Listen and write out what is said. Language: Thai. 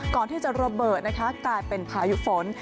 ก่อนที่จะระเบิดนะคะกลายเป็นพายุฝน